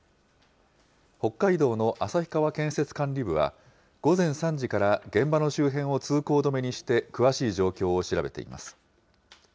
北海道の旭川建設管理部は、午前３時から現場の周辺を通行止めにして詳しい状況を調べています。